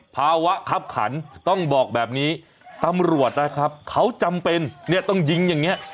ภาวะคับขันต้องบอกแบบนี้ตำรวจนะครับเขาจำเป็นเนี่ยต้องยิงอย่างนี้